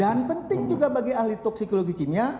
dan penting juga bagi ahli toksikologi kimia